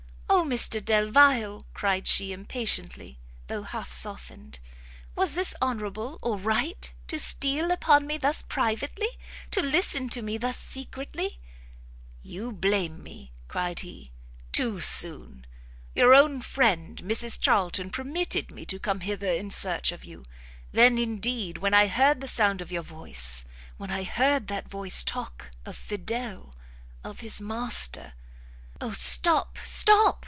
"Oh Mr Delvile!" cried she, impatiently, though half softened, "was this honourable or right? to steal upon me thus privately to listen to me thus secretly " "You blame me," cried he, "too soon; your own friend, Mrs Charlton, permitted me to come hither in search of you; then, indeed, when I heard the sound of your voice when I heard that voice talk of Fidel of his master " "Oh stop, stop!"